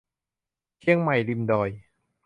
เชียงใหม่ริมดอย